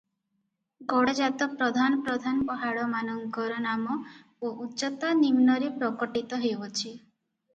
ଗଡ଼ଜାତ ପ୍ରଧାନ ପ୍ରଧାନ ପାହାଡ଼ମାନଙ୍କର ନାମ ଓ ଉଚ୍ଚତା ନିମ୍ନରେ ପ୍ରକଟିତ ହେଉଅଛି ।